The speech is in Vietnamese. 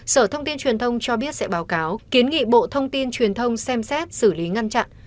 sở thông tin truyền thông cho biết sẽ báo cáo kiến nghị bộ thông tin truyền thông xem xét xử lý ngăn chặn